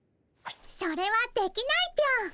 それはできないぴょん。